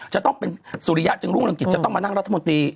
จะต้องเป็นสุริยะจึงรุ่งเรืองกิจจะต้องมานั่งรัฐมนตรี